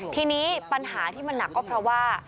ทีนี้ปัญหาที่มันหนักก็เพราะว่า